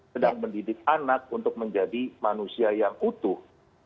sedang mendidik anak untuk menjadi manusia yang utuh